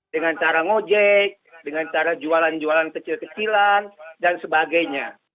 dengan cara ngojek dengan cara jualan jualan kecil kecilan dan sebagainya